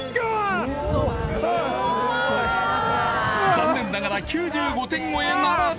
残念ながら９５点超えならず